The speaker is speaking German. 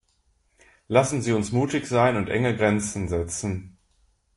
Lassen Sie uns mutig sein und enge Grenzen setzen.